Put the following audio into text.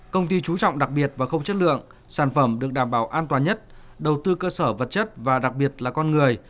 công ty chú trọng đặc biệt và không chất lượng sản phẩm được đảm bảo an toàn nhất đầu tư cơ sở vật chất và đặc biệt là con người